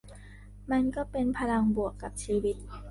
มันก็เป็นพลังบวกกับชีวิต